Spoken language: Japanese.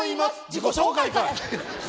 自己紹介かい！